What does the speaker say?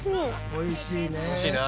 おいしいな。